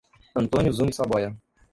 Antônio Zume Saboia